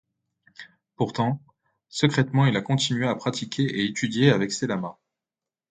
Pourtant, secrètement il a continué à pratiquer et étudier avec ses lamas.